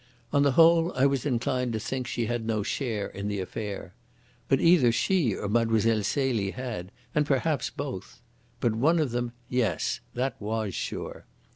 On the whole I was inclined to think she had no share in the affair. But either she or Mlle. Celie had, and perhaps both. But one of them yes. That was sure.